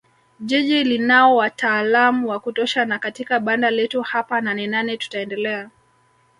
Jiji linao wataalam wa kutosha na katika banda letu hapa Nanenane tutaendelea